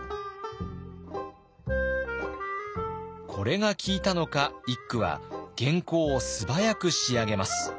これが効いたのか一九は原稿を素早く仕上げます。